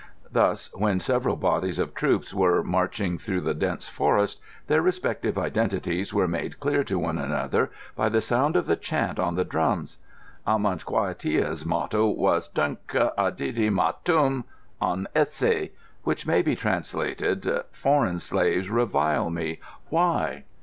Thus, when several bodies of troops were marching through the dense forest, their respective identities were made clear to one another by the sound of the chant on the drums. Amankwa Tia's motto was: 'Donköh e didi mä tūm. On esse?' Which may be translated: '(Foreign) Slaves revile me. Why?